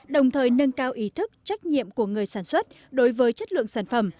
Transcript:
đồng thời nâng cao ý thức trách nhiệm của người sản xuất đối với chất lượng sản phẩm